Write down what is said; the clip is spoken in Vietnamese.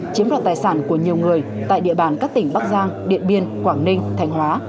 chiếm đoạt tài sản của nhiều người tại địa bàn các tỉnh bắc giang điện biên quảng ninh thành hóa